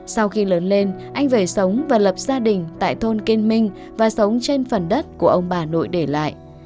sau khi lớn lên anh về sống và lập gia đình tại thôn kiên minh và sống trên phần đất của ông bà nội để lại